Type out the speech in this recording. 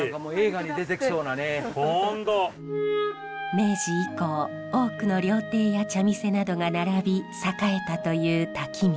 明治以降多くの料亭や茶店などが並び栄えたという滝道。